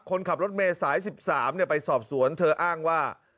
คนขับรถเมย์สาย๑๓ไปสอบสวนเธออ้างว่า